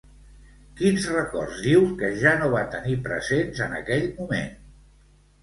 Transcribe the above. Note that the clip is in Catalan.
Quins records diu que ja no va tenir presents en aquell moment?